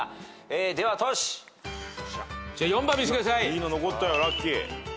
いいの残ったよラッキー。